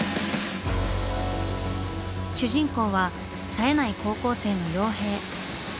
主人公はさえない高校生の洋平。